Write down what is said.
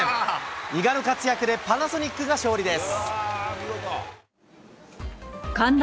伊賀の活躍でパナソニックが勝利です。